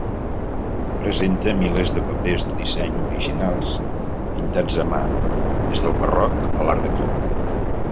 Presenta milers de papers de disseny originals pintats a mà des del barroc a l'Art Deco.